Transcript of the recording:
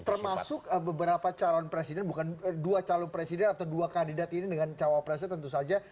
termasuk beberapa calon presiden bukan dua calon presiden atau dua kandidat ini dengan cawapresnya tentu saja